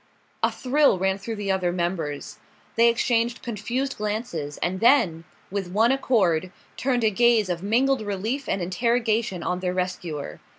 A thrill ran through the other members. They exchanged confused glances, and then, with one accord, turned a gaze of mingled relief and interrogation on their rescuer.